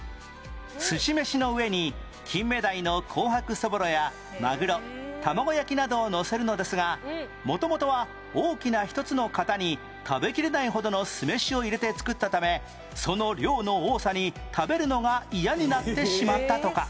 寿司飯の上にキンメダイの紅白そぼろやマグロ卵焼きなどをのせるのですが元々は大きな一つの型に食べきれないほどの酢飯を入れて作ったためその量の多さに食べるのが嫌になってしまったとか